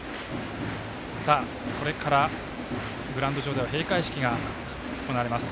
これからグラウンド上では閉会式が行われます。